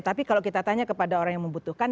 tapi kalau kita tanya kepada orang yang membutuhkan